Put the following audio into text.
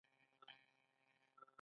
د ښارونو شاوخوا دیوالونه وو